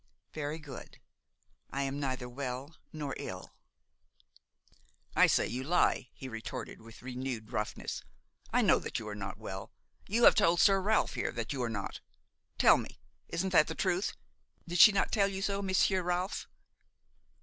"Very good; I am neither well nor ill." "I say that you lie," he retorted with renewed roughness; "I know that you are not well; you have told Sir Ralph here that you are not. Tell me, isn't that the truth? Did she not tell you so, Monsieur Ralph?"